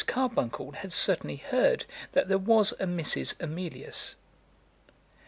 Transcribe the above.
Carbuncle had certainly heard that there was a Mrs. Emilius.